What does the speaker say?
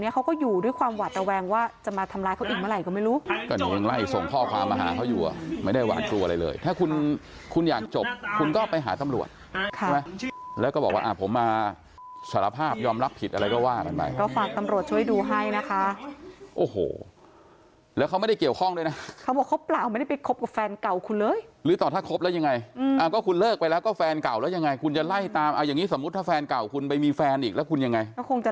ก็ยังไล่ส่งข้อความมาหาเขาอยู่ไม่ได้ว่ากลัวอะไรเลยถ้าคุณอยากจบคุณก็ไปหาตำรวจใช่ไหมแล้วก็บอกว่าผมมาสารภาพยอมรับผิดอะไรก็ว่าแบบนี้เราฝากตำรวจช่วยดูให้นะคะโอ้โหแล้วเขาไม่ได้เกี่ยวข้องด้วยนะเขาบอกครบเปล่าไม่ได้ไปคบกับแฟนเก่าคุณเลยหรือต่อถ้าครบแล้วยังไงก็คุณเลิกไปแล้วก็แฟนเก่าแล้วยังไ